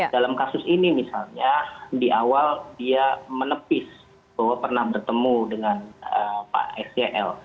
dalam kasus ini misalnya di awal dia menepis bahwa pernah bertemu dengan pak sel